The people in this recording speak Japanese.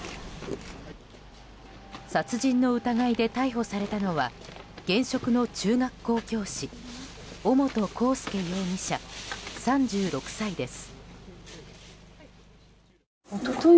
殺人の疑いで逮捕されたのは現職の中学校教師尾本幸祐容疑者、３６歳です。